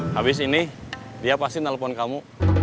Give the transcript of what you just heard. habis ini dia pasti nelpon kamu